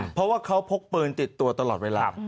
เพราะว่าเขาพกปืนติดตัวตลอดเวลา